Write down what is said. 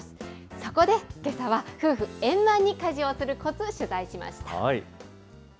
そこでけさは、夫婦円満に家事をするこつ、取材しました。